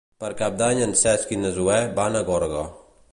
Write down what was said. Per Cap d'Any en Cesc i na Zoè van a Gorga.